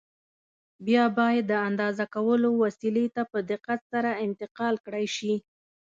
بیا باید د اندازه کولو وسیلې ته په دقت سره انتقال کړای شي.